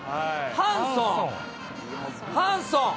ハンソン、ハンソン。